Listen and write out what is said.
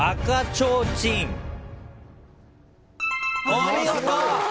お見事！